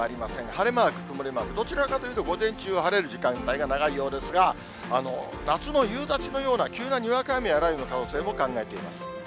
晴れマーク、曇りマーク、どちらかというと、午前中は晴れる時間帯が長いようですが、夏の夕立のような、急なにわか雨や雷雨の可能性を考えています。